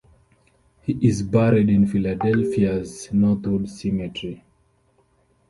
He is buried in Philadelphia's Northwood Cemetery.